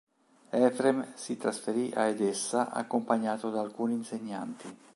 Efrem si trasferì a Edessa accompagnato da alcuni insegnanti.